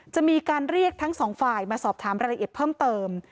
จะมีการเรียกทั้งสองฝ่ายมาสอบถามรายละเอียดเพิ่มเติม